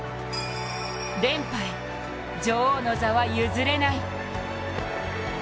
連覇へ、女王の座は譲れない。